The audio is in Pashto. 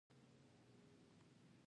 تنور د افغان فرهنګ ژوندي ساتونکی دی